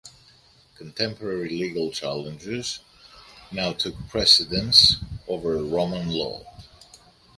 Contemporary legal challenges now took precedence over Roman law.